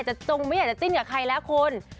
จงไม่อยากจะจิ้นกับใครแล้วคุณ